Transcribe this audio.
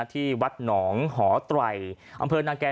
ที่วัดหนองหอไตรอำเภอนาแก่